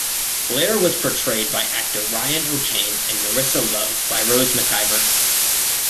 Blair was portrayed by actor Ryan O'Kane and Nerissa Love by Rose McIver.